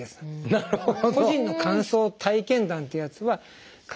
なるほど。